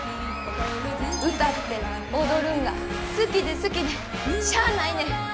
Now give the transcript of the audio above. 歌って踊るんが好きで好きでしゃあないねん。